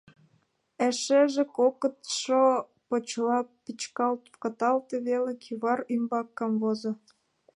Эшеже кокытшо почела печкалт каталте веле, кӱвар ӱмбак камвозо;